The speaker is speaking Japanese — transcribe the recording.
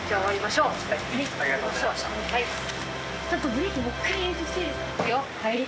ブレーキもう１回練習していいですか？